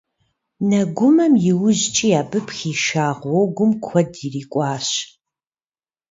Нэгумэм иужькӀи абы пхиша гъуэгум куэд ирикӀуащ.